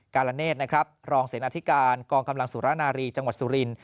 กาลเนธรองเสียงอธิการกลางกำลังสุรนารีจังหวัดสุรินทร์